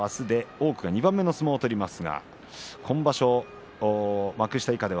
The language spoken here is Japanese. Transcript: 多くは２番目の相撲を取っています。